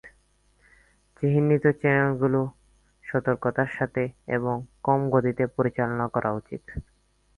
চিহ্নিত চ্যানেলগুলি সতর্কতার সাথে এবং কম গতিতে পরিচালনা করা উচিত।